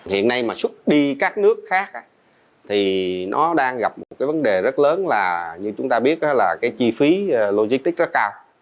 hiện nay mà xuất đi các nước khác thì nó đang gặp một vấn đề rất lớn là như chúng ta biết là chi phí logistic rất cao